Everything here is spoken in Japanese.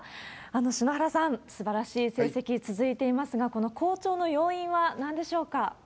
篠原さん、すばらしい成績続いていますが、この好調の要因はなんでしょうか？